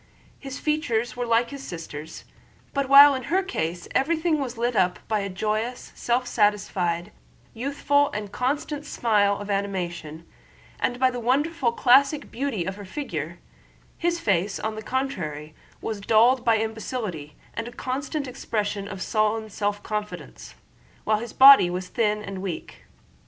His features were like his sister's, but while in her case everything was lit up by a joyous, self satisfied, youthful, and constant smile of animation, and by the wonderful classic beauty of her figure, his face on the contrary was dulled by imbecility and a constant expression of sullen self confidence, while his body was thin and weak.